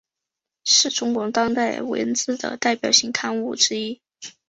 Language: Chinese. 是中国当代文学的代表性刊物之一。